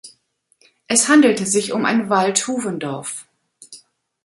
Es handelte sich um ein Waldhufendorf.